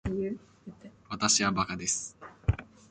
わたしはバカです